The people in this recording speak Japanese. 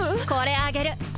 これあげる。